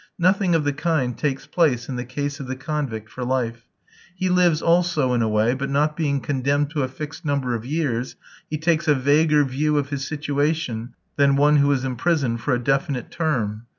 Nothing of the kind takes place in the case of the convict for life. He lives also in a way, but not being condemned to a fixed number of years, he takes a vaguer view of his situation than the one who is imprisoned for a definite term.